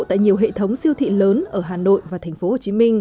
tại nhiều hệ thống siêu thị lớn ở hà nội và thành phố hồ chí minh